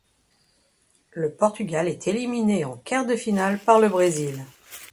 Le Portugal est éliminé en quarts de finale par le Brésil.